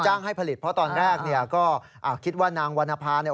ให้ผลิตเพราะตอนแรกเนี่ยก็อ่าคิดว่านางวรรณภาเนี่ย